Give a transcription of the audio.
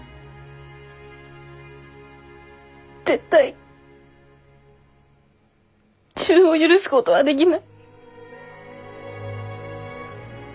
絶対自分を許すごどはできない。